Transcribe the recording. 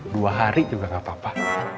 dua hari juga gak apa apa